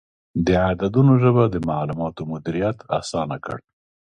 د عددونو ژبه د معلوماتو مدیریت اسانه کړ.